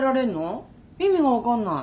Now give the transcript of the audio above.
意味が分かんない。